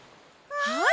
はい！